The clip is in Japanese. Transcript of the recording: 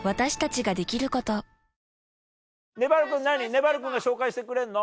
ねばる君が紹介してくれるの？